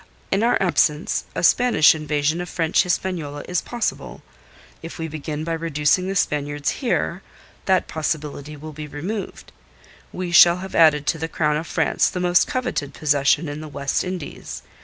In our absence, a Spanish invasion of French Hispaniola is possible. If we begin by reducing the Spaniards here, that possibility will be removed. We shall have added to the Crown of France the most coveted possession in the West Indies.